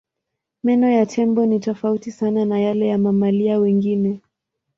Meno ya tembo ni tofauti sana na yale ya mamalia wengine.